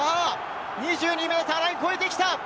２２ｍラインを超えてきた。